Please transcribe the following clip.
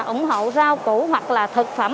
ủng hộ rau củ hoặc là thực phẩm